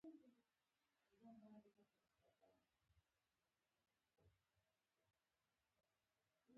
شتمن ملتونه ځکه شتمن دي چې پرانیستي بنسټونه یې جوړ کړل.